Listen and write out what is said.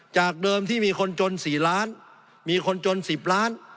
จากเดิมที่มีคนจน๔ล้านมีคนจน๑๐ล้าน